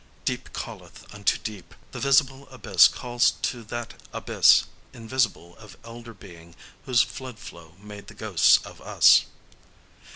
Deep calleth unto deep. The visible abyss calls to that abyss invisible of elder being whose flood flow made the ghosts of us.